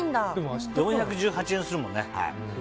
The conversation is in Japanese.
４１８円するもんね。